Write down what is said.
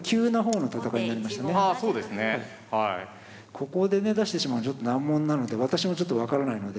ここでね出してしまうとちょっと難問なので私もちょっと分からないので。